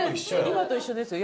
今と一緒ですよ。